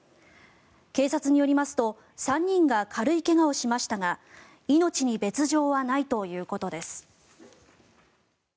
警察によりますと３人が軽い怪我をしましたが命に別条はないということです。